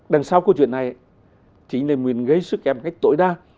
đằng sau câu chuyện này chính là nguyễn gây sức em cách tội đa